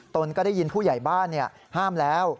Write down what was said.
ตนก็ได้ยินผู้ใหญ่บ้านห้ามแล้ว